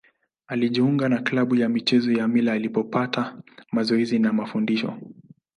Alijiunga na klabu ya michezo ya Mila alipopata mazoezi na mafundisho.